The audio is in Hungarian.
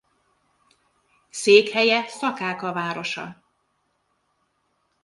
Székhelye Szakáka városa.